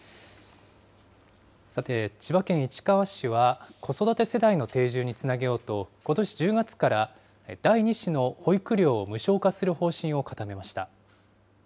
さて、千葉県市川市は、子育て世代の定住につなげようと、ことし１０月から、第２子の保育料を無償化する方針を固めました。